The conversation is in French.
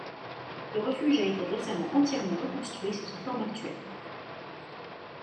Le refuge a été récemment entièrement reconstruit sous sa forme actuelle.